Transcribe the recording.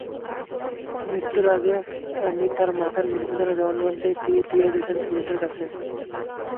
মৃত্যুর আগে অ্যানি তাঁর ওপর নির্যাতনের জবানবন্দি দিয়ে গেছেন পুলিশের কাছে।